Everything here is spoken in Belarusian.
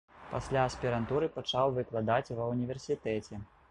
Пасля аспірантуры пачаў выкладаць ва ўніверсітэце.